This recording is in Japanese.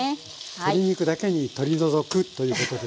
鶏肉だけにとり除くということですね。